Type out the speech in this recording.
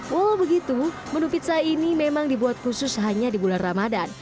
walau begitu menu pizza ini memang dibuat khusus hanya di bulan ramadan